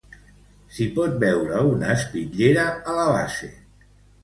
S'hi pot veure una espitllera a la base.